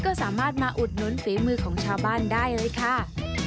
ก็สามารถมาอุดหนุนฝีมือของชาวบ้านได้เลยค่ะ